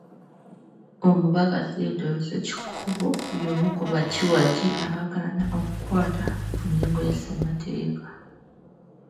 Omubaka Theodore Ssekikubo y'omu ku bakiwagi abaagalana okukwata ku nnyingo ya ssemateeka.